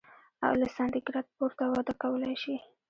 له سانتي ګراد پورته وده کولای شي.